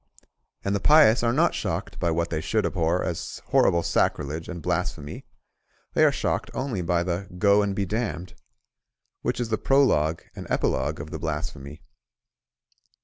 And the pious are not shocked by what they should abhor as horrible sacrilege and blasphemy; they are shocked only by the "Go, and be damned," which is the prologue and epilogue of the blasphemy.